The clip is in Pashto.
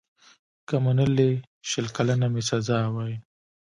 که منلې شل کلنه مي سزا وای